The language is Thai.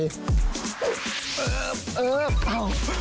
เย่เอี๊ยเอา